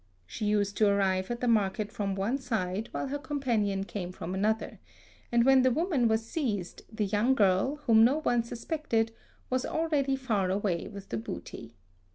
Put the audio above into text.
She used to arrive at the market from one side while her companion came from another, and when the woman was seized, the young girl, whom no one suspected, was already far away with the booty.